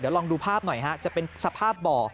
เดี๋ยวลองดูภาพหน่อยจะเป็นสภาพบ่อ